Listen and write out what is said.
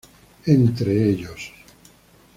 Entre ellos,